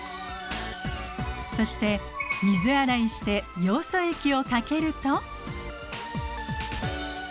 そして水洗いしてヨウ素液をかけると。